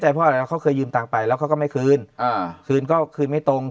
เจอเพราะอะไรแล้วเขาเคยยืมตังไปแล้วเขาก็ไม่คืนคืนก็คืนไม่ตรง